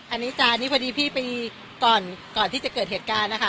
อันนี้จานนี่พอดีพี่ไปก่อนก่อนที่จะเกิดเหตุการณ์นะคะ